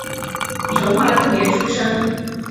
成化六年出生。